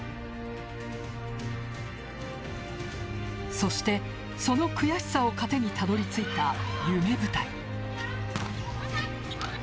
そして、その悔しさを糧にたどり着いた夢舞台。